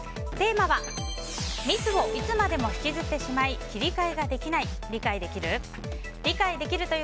テーマは、ミスをいつまでも引きずってしまい切り替えができない理解できる？